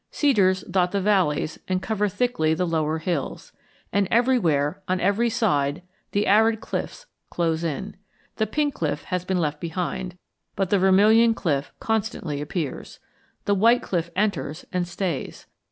Cedars dot the valleys and cover thickly the lower hills. And everywhere, on every side, the arid cliffs close in. The Pink Cliff has been left behind, but the Vermilion Cliff constantly appears. The White Cliff enters and stays.